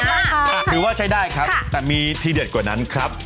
ถือว่าใช้ได้ครับแต่มีทีเด็ดกว่านั้นครับ